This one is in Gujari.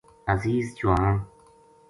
عزیز چوہان